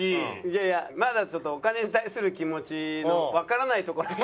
いやいやまだちょっとお金に対する気持ちのわからないところが。